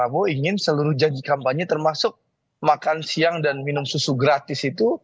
pak prabowo ingin seluruh janji kampanye termasuk makan siang dan minum susu gratis itu